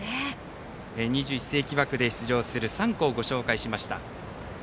２１世紀枠で出場する３校をご紹介しました。